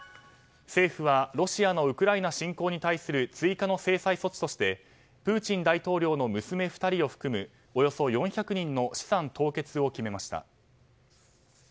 政府は、ロシアのウクライナ侵攻に対する追加の制裁措置としてプーチン大統領の娘２人を含むおよそ４００人の資産凍結を決めました。